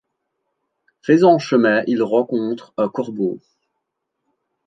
Faisant chemin, ils rencontrent un corbeau.